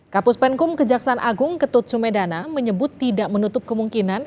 kapus penkum kejaksaan agung ketut sumedana menyebut tidak menutup kemungkinan